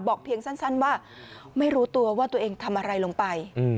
เพียงสั้นว่าไม่รู้ตัวว่าตัวเองทำอะไรลงไป